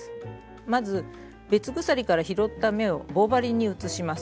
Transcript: まず別鎖から拾った目を棒針に移します。